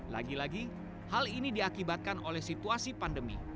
lagi lagi hal ini diakibatkan oleh situasi pandemi